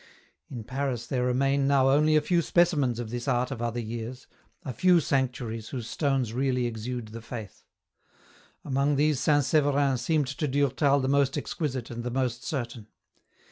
In Paris there remain now only a few specimens of this art of other years, a few sanctuaries whose stones really exude the Faith ; among these St. Severin seemed to Durtal the most exquisite and the most certain.